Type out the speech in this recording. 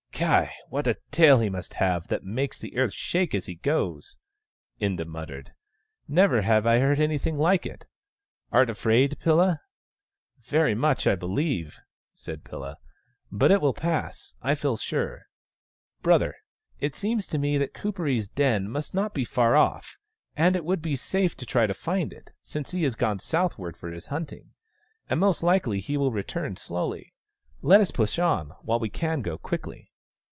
" Ky ! what a tail he must have, that makes the earth shake as he goes !" Inda muttered. " Never have I heard anything like it ! Art afraid, Pilla ?"" Very much, I believe," said Pilla. " But it will pass, I feel sure. Brother, it seems to me that Kuperee's den must be not far off, and it would be safe to try to find it, since he has gone southward for his hunting : and most likely he will return slowly. Let us push on, while we can go quickly."